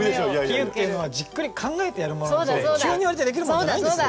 比喩っていうのはじっくり考えてやるものなので急に言われてできるものじゃないんですよ！